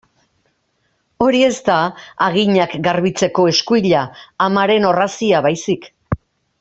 Hori ez da haginak garbitzeko eskuila, amaren orrazia baizik.